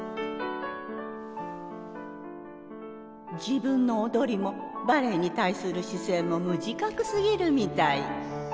自分の踊りもバレエに対する姿勢も無自覚すぎるみたい